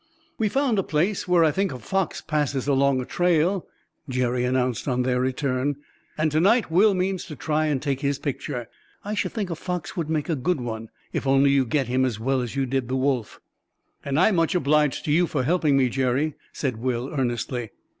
"We found a place where I think a fox passes along a trail," Jerry announced, on their return, "and to night Will means to try and take his picture. I should think a fox would make a good one, if only you get him as well as you did the wolf." "And I'm much obliged to you for helping me, Jerry," said Will earnestly.